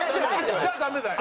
じゃあダメだよ！